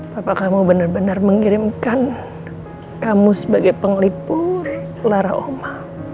papa kamu benar benar mengirimkan kamu sebagai pengelipur lara mama